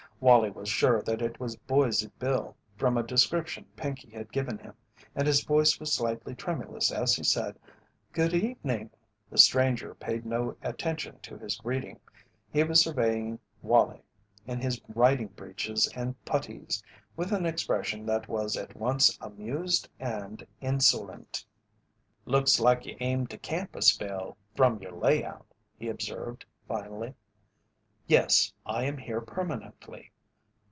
Wallie was sure that it was "Boise Bill," from a description Pinkey had given him, and his voice was slightly tremulous as he said: "Good evening." The stranger paid no attention to his greeting. He was surveying Wallie in his riding breeches and puttees with an expression that was at once amused and insolent. "Looks like you aimed to camp a spell, from your lay out," he observed, finally. "Yes, I am here permanently."